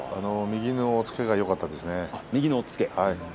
右の押っつけがよかったですね。